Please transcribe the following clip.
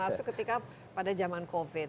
masuk ketika pada zaman covid